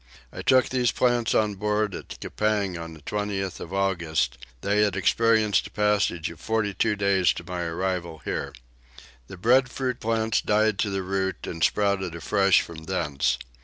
I took these plants on board at Coupang on the 20th of August: they had experienced a passage of 42 days to my arrival here. The breadfruit plants died to the root and sprouted afresh from thence.